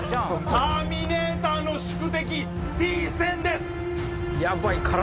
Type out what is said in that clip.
ターミネーターの宿敵Ｔ‐１０００です！